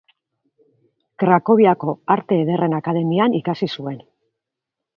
Krakoviako Arte Ederren Akademian ikasi zuen.